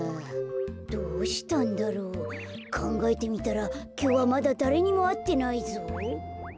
どうしたんだろう？かんがえてみたらきょうはまだだれにもあってないぞ。